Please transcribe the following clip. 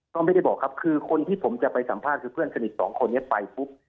ก็ไม่ได้บอกครับคือคนที่ผมจะไปสัมภาษณ์คือเพื่อนสนิทสองคนนี้ไปปุ๊บ